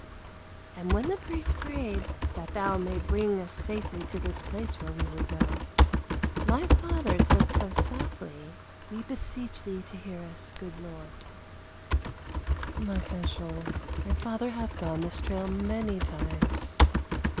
" And when the priest prayed, ' That Thou mayst bring us safely to this place where we would go,' my father said so softly, 'We beseech Thee to hear us, good Lord f "My Fanchon, thy father hath gone this trail many times."